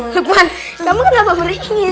lukman kamu kenapa beringis